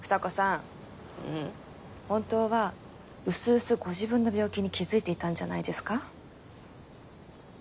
本当はうすうすご自分の病気に気付いていたんじゃないですか？